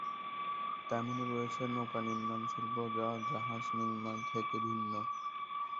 তেমনই রয়েছে নৌকা-নির্মান শিল্প যা জাহাজ-নির্মাণ থেকে ভিন্ন।